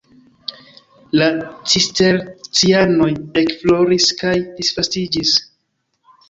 La Cistercianoj ekfloris kaj disvastiĝis.